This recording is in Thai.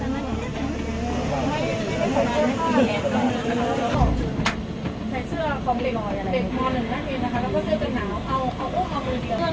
แม่แม่ก็มากมาก